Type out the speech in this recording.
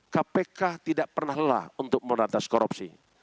kpk tidak pernah lelah untuk meratas korupsi